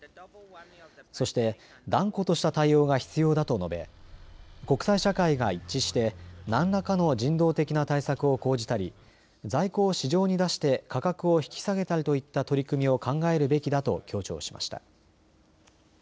そして、断固とした対応が必要だと述べ国際社会が一致して何らかの人道的な対策を講じたり在庫を市場に出して価格を引き下げたりといった取り組みを考えるべきだと強調しました。